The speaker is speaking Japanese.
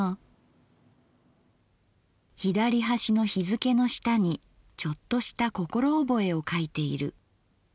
「左端の日附の下にちょっとした心おぼえを書いている。